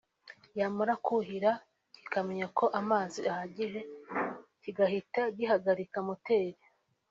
yamara kuhira kikamenya ko amazi ahagije kigahita gihagarika moteri